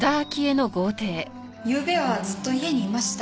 ゆうべはずっと家にいました。